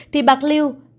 thì bạc liêu